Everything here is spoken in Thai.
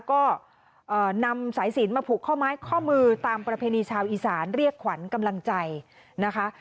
ก็นำสายสินมาผูกข้อไม้ข้อมือตามประเพณีชาวอีสานเรียกขวัญกำลังใจนะคะ